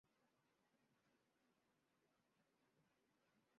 英国最高法院的行政工作并不由事务局负责。